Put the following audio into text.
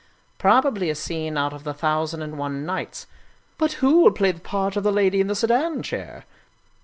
" Probably a scene out of the ' Thousand and One Nights.' "" But who will play the part of the Lady in the Sedan Chair?"